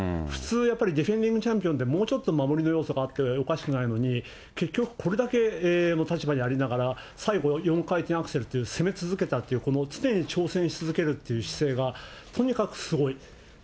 普通、やっぱりディフェンディングチャンピオンって、もうちょっと守りの要素があっておかしくないのに、結局、これだけの立場にありながら、最後、４回転アクセルっていう攻め続けたっていう、この常に挑戦し続けるという姿勢が、とにかくすごい。